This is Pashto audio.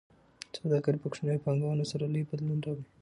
سوداګر په کوچنیو پانګونو سره لوی بدلون راوړي.